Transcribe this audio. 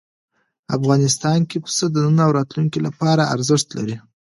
افغانستان کې پسه د نن او راتلونکي لپاره ارزښت لري.